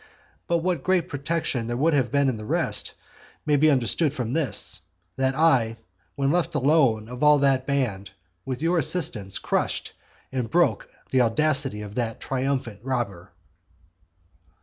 But what great protection there would have been in the rest may be understood from this, that I, when left alone of all that band, with your assistance crushed and broke the audacity of that triumphant robber.